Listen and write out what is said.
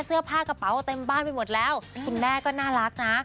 เสื้อผ้ากระเป๋าเต็มบ้านไปหมดแล้วคุณแม่ก็น่ารักนะ